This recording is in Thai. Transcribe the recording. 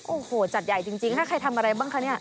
โอ้โหจัดใหญ่จริงถ้าใครทำอะไรบ้างคะเนี่ย